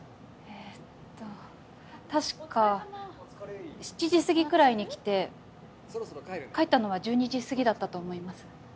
えっと確か７時過ぎくらいに来て帰ったのは１２時過ぎだったと思います。